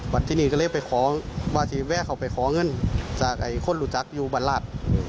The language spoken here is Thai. วันที่นี่ก็เลยไปขอว่าที่แวะเขาไปขอเงินจากคนหลุดจักรอยู่บ้านลาด